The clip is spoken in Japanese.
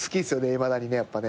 いまだにねやっぱね。